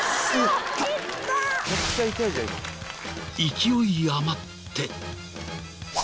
［勢い余って］